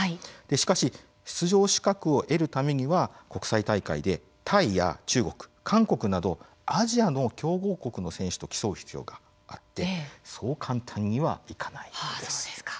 しかし、出場資格を得るためには国際大会でタイや中国、韓国などアジアの強豪国の選手と競う必要があってそう簡単にはいかないんです。